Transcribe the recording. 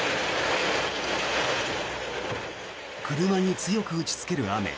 車に強く打ちつける雨。